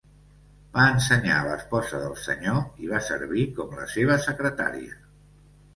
Va ensenyar a l'esposa del senyor i va servir com la seva secretària.